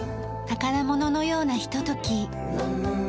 宝物のようなひととき。